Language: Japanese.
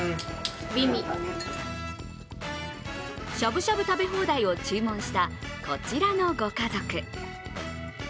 しゃぶしゃぶ食べ放題を注文したこちらのご家族。